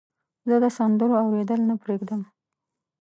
زه د سندرو اوریدل نه پرېږدم.